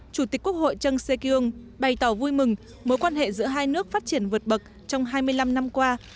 chủ tịch quốc hội trân xe kyung bày tỏ vui mừng mối quan hệ giữa hai nước phát triển vượt bậc trong hai mươi năm năm qua